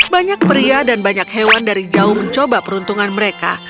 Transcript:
banyak pria dan banyak hewan dari jauh mencoba peruntungan mereka